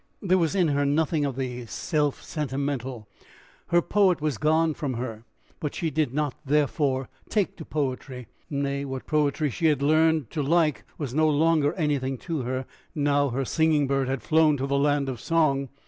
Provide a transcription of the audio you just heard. There was in her nothing of the self sentimental. Her poet was gone from her, but she did not therefore take to poetry; nay, what poetry she had learned to like was no longer anything to her, now her singing bird had flown to the land of song.